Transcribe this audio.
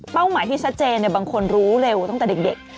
เป้าหมายที่สัดเจนเนี่ยบางคนรู้เร็วตั้งแต่เด็ก